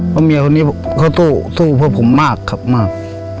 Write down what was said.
เพราะเมียนี่เขาสู้เพื่อคุณผมมากครับมาก